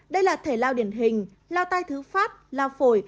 đây là thể lao điển hình lao tai thứ phát lao phổi